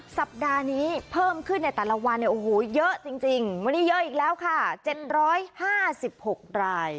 สัปดาห์นี้เพิ่มขึ้นในแต่ละวันเนี่ยโอ้โหเยอะจริงจริงวันนี้เยอะอีกแล้วค่ะเจ็ดร้อยห้าสิบหกราย